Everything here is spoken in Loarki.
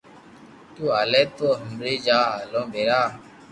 تو ھالي تو ھمبري جا ھالو ڀيرا